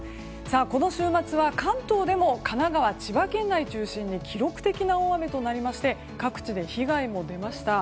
この週末は関東でも神奈川、千葉県内を中心に記録的な大雨となりまして各地で被害も出ました。